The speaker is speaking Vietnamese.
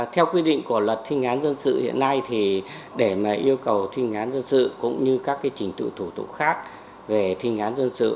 theo quy định của luật thinh án dân sự hiện nay thì để mà yêu cầu thi hành án dân sự cũng như các trình tự thủ tục khác về thi án dân sự